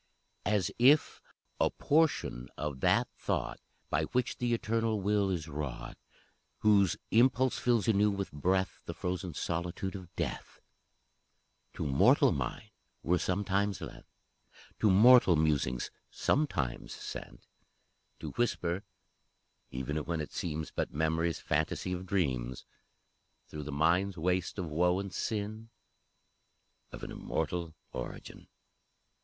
As if a portion of that Thought By which the Eternal will is wrought, Whose impulse fills anew with breath The frozen solitude of Death, To mortal mind were sometimes lent, To mortal musings sometimes sent, To whisper even when it seems But Memory's fantasy of dreams Through the mind's waste of woe and sin, Of an immortal origin!